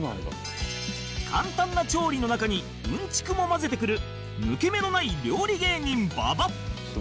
簡単な調理の中にうんちくも交ぜてくる抜け目のない料理芸人馬場